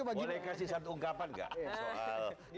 boleh kasih satu ungkapan gak